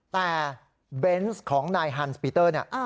แต่เบนศ์ของนายฮันซ์ปีเตอร์